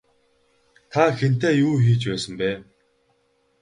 Та хэнтэй юу хийж байсан бэ?